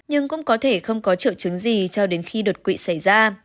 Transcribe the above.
nhưng cũng có thể không có triệu chứng gì cho đến khi đột quỵ xảy ra